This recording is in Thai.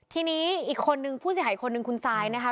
ทีนี้อีกคนนึงผู้เสียหายคนหนึ่งคุณซายนะคะ